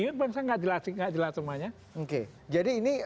ini maksudnya gak jelas yang gak jelas semuanya